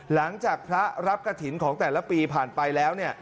หลังจากพระรับกฐินของแต่ละปีผ่านไปแล้ว